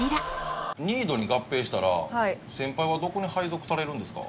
ＮＩＤＯに合併したら先輩はどこに配属されるんですか？